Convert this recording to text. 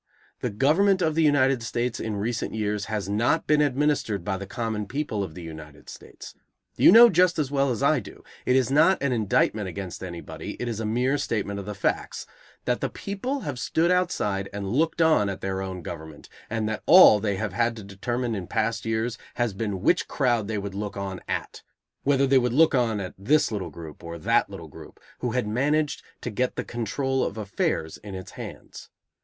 The government of the United States in recent years has not been administered by the common people of the United States. You know just as well as I do, it is not an indictment against anybody, it is a mere statement of the facts, that the people have stood outside and looked on at their own government and that all they have had to determine in past years has been which crowd they would look on at; whether they would look on at this little group or that little group who had managed to get the control of affairs in its hands.